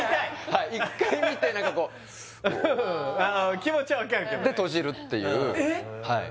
はい１回見て何かこうなるほど気持ちは分かるけどねで閉じるっていう